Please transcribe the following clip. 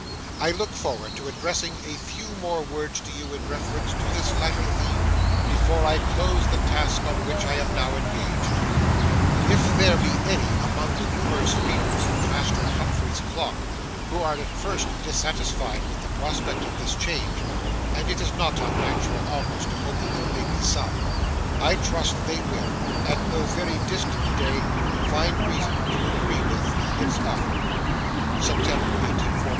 I look forward to addressing a few more words to you in reference to this latter theme before I close the task on which I am now engaged. If there be any among the numerous readers of Master Humphrey's Clock who are at first dissatisfied with the prospect of this change—and it is not unnatural almost to hope there may be some—I trust they will, at no very distant day, find reason to agree with ITS AUTHOR September, 1841.